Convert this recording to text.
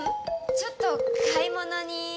ちょっと買い物に。